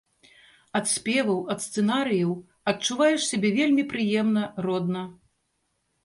Ад спеваў, ад сцэнарыяў адчуваеш сябе вельмі прыемна, родна.